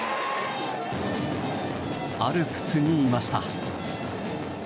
アルプスにいました。